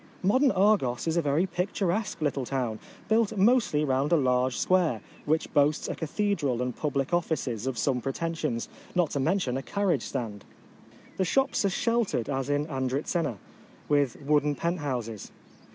Modern Argos is a very picturesque little town, built mostly round a large square, which boasts a cathedral and public offices of some pretensions, not to mention a carriage stand. The shops are shel tered as in Andritzena, with wooden penthouses.